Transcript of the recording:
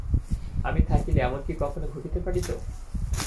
আমি থাকিলে এমন কি কখনো ঘটিতে পারিত?